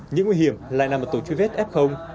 những nguy hiểm lại nằm ở tổ chức vết f